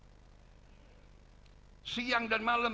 saya berpikir siang dan malam